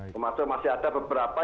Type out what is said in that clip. termasuk masih ada beberapa